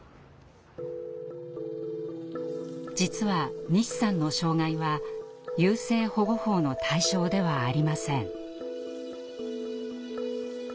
実は西さんの障害は優生保護法の対象ではありません。